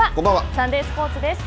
サンデースポーツです。